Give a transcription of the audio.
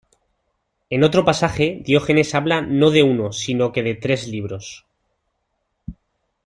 En otro pasaje Diógenes habla no de uno sino que de tres libros.